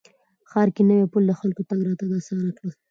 ښار کې نوی پل د خلکو تګ راتګ اسانه کړ